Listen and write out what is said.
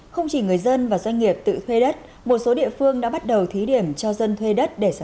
không chỉ người dân và doanh nghiệp tự thuê đất một số địa phương đã bắt đầu thí điểm cho dân thuê đất để sản xuất